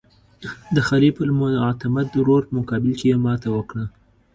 د خلیفه المعتمد ورور په مقابل کې یې ماته وکړه.